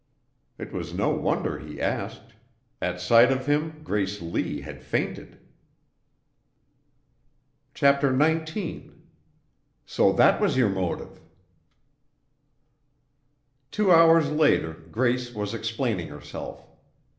It was no wonder he asked. At sight of him Grace Lee had fainted. CHAPTER XIX "So that was your motive" Two hours later Grace was explaining herself.